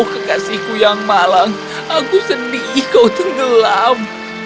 kekasihku yang malang aku sedih kau tenggelam